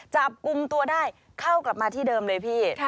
จับกลุ่มตัวได้เข้ากลับมาที่เดิมเลยพี่